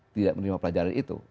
tidak menerima pelajaran itu